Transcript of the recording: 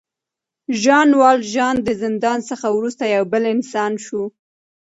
ژان والژان د زندان څخه وروسته یو بل انسان شو.